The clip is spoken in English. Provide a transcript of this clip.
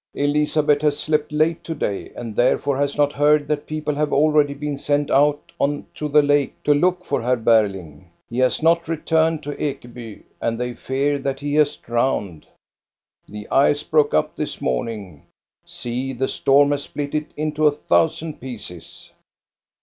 " Elizabeth has slept late to day and therefore has not heard that people have already been sent out on to the lake to look for Herr Berling. He has not returned to Ekeby, and they fear that he has droAvned. The ice broke up this morning. See, the storm has split it into a thousand pieces."